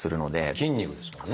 筋肉ですもんね。